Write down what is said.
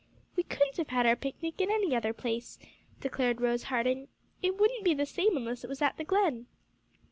"We couldn't have had our picnic in any other place," declared Rose Harding; "it wouldn't be the same unless it was at the Glen."